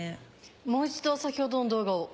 もう一度先ほどの動画を。